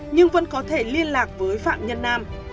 nhưng vẫn có thể liên lạc với phạm nhân nam